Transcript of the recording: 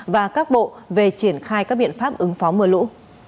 và các bộ về triển khai các biện pháp ứng phó mưa lũ